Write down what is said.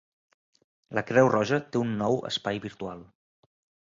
La Creu Roja té un nou espai virtual.